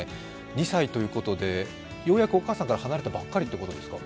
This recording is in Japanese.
２歳ということで、ようやくお母さんから離れたばかりということですか？